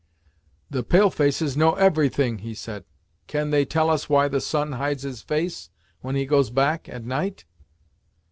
"The pale faces know everything," he said; "can they tell us why the sun hides his face, when he goes back, at night."